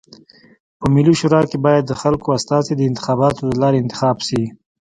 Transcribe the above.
په ملي شورا کي بايد د خلکو استازي د انتخاباتو د لاري انتخاب سی.